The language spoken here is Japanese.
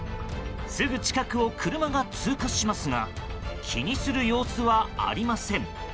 すぐ近くを車が通過しますが気にする様子はありません。